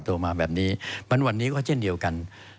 โตมาแบบนี้วันนี้ก็เจ้นเดียวกัน